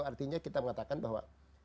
artinya kita mengatakan bahwa